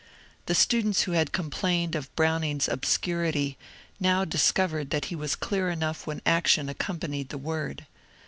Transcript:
The students who had complained of Browning's ^^ obscurity " now discovered that he was clear enough when action accompanied the word.